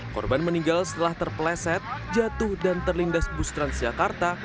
korban meninggal setelah terpeleset jatuh dan terlindas bus transjakarta